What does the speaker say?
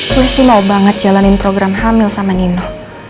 gue sih mau banget jalanin program hamil sama nino